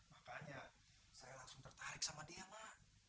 makanya saya langsung tertarik sama dia mak